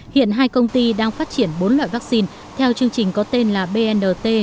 hiện hai công ty đang phát triển bốn loại vaccine theo chương trình có tên là bnt một trăm sáu mươi hai